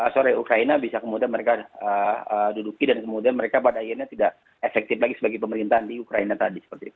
sorry ukraina bisa kemudian mereka duduki dan kemudian mereka pada akhirnya tidak efektif lagi sebagai pemerintahan di ukraina tadi